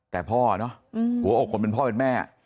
แต่พ่อเนอะหัวอกคนเป็นพ่อเป็นแม่